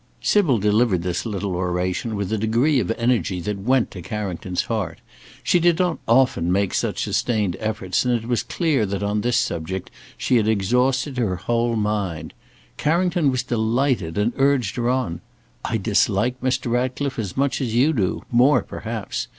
Sybil delivered this little oration with a degree of energy that went to Carrington's heart. She did not often make such sustained efforts, and it was clear that on this subject she had exhausted her whole mind. Carrington was delighted, and urged her on. "I dislike Mr. Ratcliffe as much as you do; more perhaps.